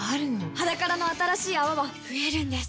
「ｈａｄａｋａｒａ」の新しい泡は増えるんです